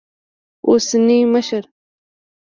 اوسني مشر